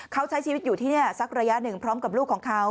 เขาใช้ชีวิตอยู่ที่นี่สักระยะหนึ่งพร้อมกับลูกของเขา